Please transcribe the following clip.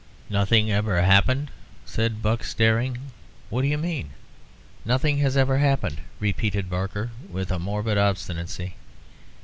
"Nothing ever happened!" said Buck, staring. "What do you mean?" "Nothing has ever happened," repeated Barker, with a morbid obstinacy.